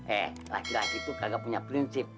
eh laki laki itu kagak punya prinsip